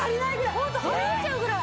ホントはみ出ちゃうぐらい。